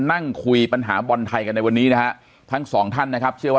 นั่งคุยปัญหาบอลไทยกันในวันนี้นะฮะทั้งสองท่านนะครับเชื่อว่า